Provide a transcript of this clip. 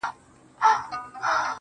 o دغه د کرکي او نفرت کليمه.